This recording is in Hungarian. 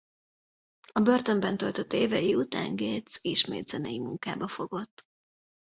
A börtönben töltött évei után Gates ismét zenei munkába fogott.